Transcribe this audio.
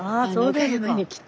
岡山に来て。